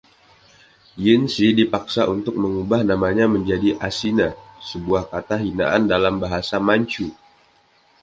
Yinsi dipaksa untuk mengubah namanya menjadi “Acina”, sebuah kata hinaan dalam bahasa Manchu.